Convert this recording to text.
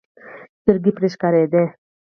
سترګې پرې ښکارېدې.